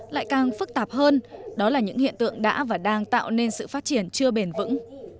lại càng phức tạp hơn đó là những hiện tượng đã và đang tạo nên sự phát triển chưa bền vững